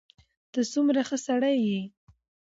ته څومره ښه سړی یې.